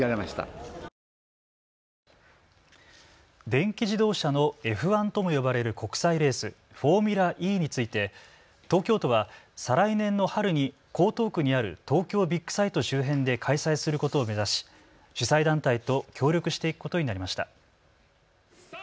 電気自動車のＦ１とも呼ばれる国際レース、フォーミュラＥについて東京都は再来年の春に江東区にある東京ビッグサイト周辺で開催することを目指し主催団体と協力していくことになりました。